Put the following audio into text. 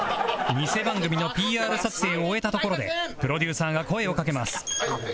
ニセ番組の ＰＲ 撮影を終えたところでプロデューサーが声をかけます